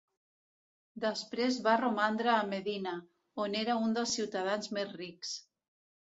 Després va romandre a Medina, on era un dels ciutadans més rics.